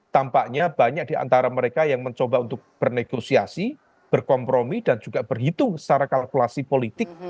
tampaknya banyak di antara mereka yang mencoba untuk bernegosiasi berkompromi dan juga berhitung secara kalkulasi politik